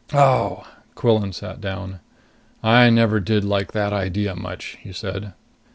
"Oh!" Quillan sat down. "I never did like that idea much," he said.